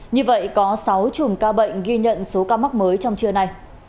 như vậy có sáu chùm ca bệnh ghi nhận số ca mắc mới trong trưa nay